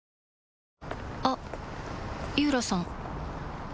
あっ井浦さん